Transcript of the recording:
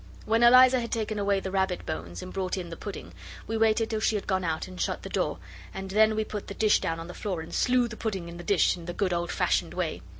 When Eliza had taken away the rabbit bones and brought in the pudding, we waited till she had gone out and shut the door, and then we put the dish down on the floor and slew the pudding in the dish in the good old fashioned way.